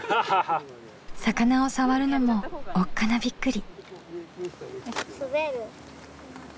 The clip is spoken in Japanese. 魚を触るのもおっかなびっくり。